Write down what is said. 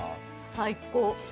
最高！